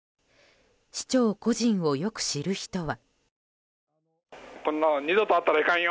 市長個人をよく知る人は。